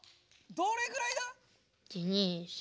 どれぐらいだ！？